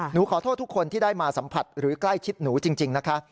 หนูขอโทษทุกคนที่ได้มาสัมผัสหรือใกล้ชิดหนูจริงนะคะ